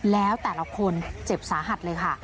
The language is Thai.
แล้วแต่ละคนเจ็บสาหัสเลยค่ะ